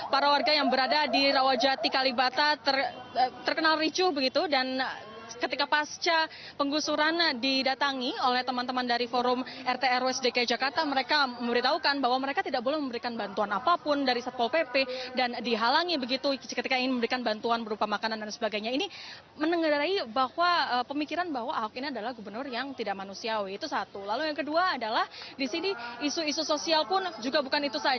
mereka juga menargetkan mengumpulkan tiga juta ktp untuk menolak pencalonan ahok